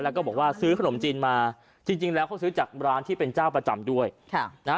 แล้วก็บอกว่าซื้อขนมจีนมาจริงจริงแล้วเขาซื้อจากร้านที่เป็นเจ้าประจำด้วยค่ะนะฮะ